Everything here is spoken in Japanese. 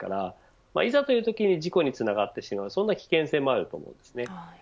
いざというときに事故につながってしまう危険性もあると思います。